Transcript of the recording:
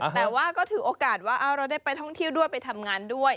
แต่ว่าก็ถือโอกาสว่าเราได้ไปท่องเที่ยวด้วยไปทำงานด้วย